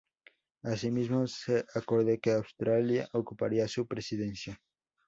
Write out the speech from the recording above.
Asimismo se acordó que Australia ocuparía su presidencia.